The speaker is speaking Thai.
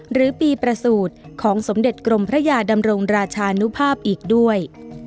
หรือปีประสูจน์ของสมเด็จกรมพระยาดำรงราชานุภาพอีกด้วย